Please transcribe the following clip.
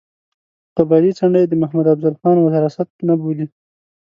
قبایلي څنډه یې د محمد افضل خان وراثت نه بولي.